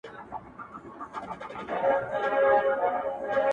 خپل مال تر سترگو لاندي ښه دئ.